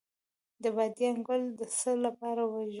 د بادیان ګل د څه لپاره وژويئ؟